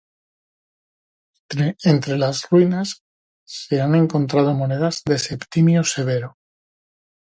Entre las ruinas se han encontrado monedas de Septimio Severo.